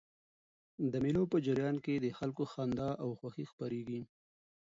د مېلو په جریان کښي د خلکو خندا او خوښي خپریږي.